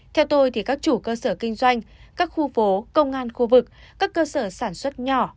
theo tôi thì các chủ cơ sở kinh doanh các khu phố công an khu vực các cơ sở sản xuất nhỏ